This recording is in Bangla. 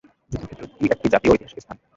যুদ্ধক্ষেত্রটি একটি জাতীয় ঐতিহাসিক স্থান।